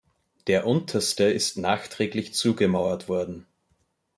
Der unterste ist nachträglich zugemauert worden.